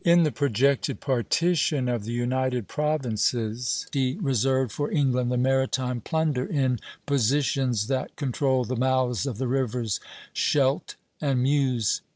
In the projected partition of the United Provinces he reserved for England the maritime plunder in positions that controlled the mouths of the rivers Scheldt and Meuse.